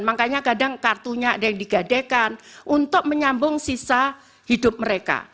makanya kadang kartunya ada yang digadekan untuk menyambung sisa hidup mereka